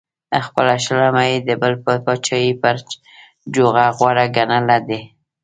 خپله شمله یې د بل د پاچاهۍ پر جوغه غوره ګڼله.